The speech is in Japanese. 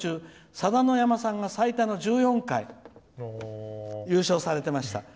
さだのやまさんが最多の１４回優勝されていました。